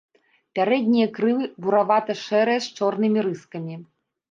Пярэднія крылы буравата-шэрыя з чорнымі рыскамі.